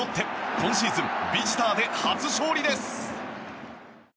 今シーズンビジターで初勝利です。